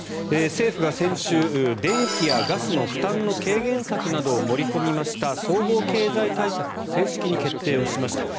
政府が先週電気やガスの負担の軽減策などを盛り込みました総合経済対策を正式に決定しました。